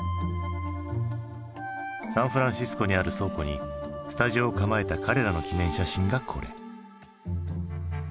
サンフランシスコにある倉庫にスタジオを構えた彼らの記念写真がこれ。